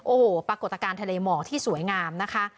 โอ้โหปรากฏการณ์ทะเลหมอกที่สวยงามนะคะ